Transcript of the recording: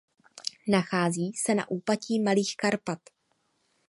Nachází se na úpatí Malých Karpat.